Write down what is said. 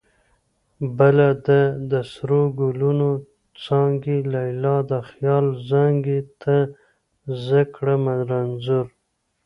بدله ده: د سرو ګلونو څانګې لیلا د خیاله زانګې تا زه کړمه رنځور